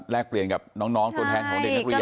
เปลี่ยนกับน้องตัวแทนของเด็กนักเรียน